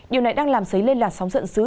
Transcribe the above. điều này đang làm xấy lên là sóng dẫn dứ